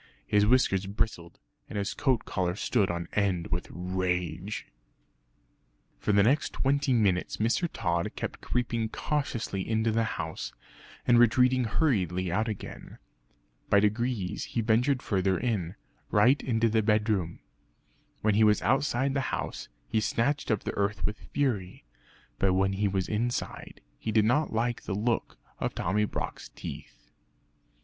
His whiskers bristled and his coat collar stood on end with rage. For the next twenty minutes Mr. Tod kept creeping cautiously into the house, and retreating hurriedly out again. By degrees he ventured further in right into the bedroom. When he was outside the house, he scratched up the earth with fury. But when he was inside he did not like the look of Tommy Brock's teeth.